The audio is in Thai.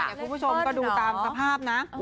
คุณผู้ชมก็ดูตามสภาพนะ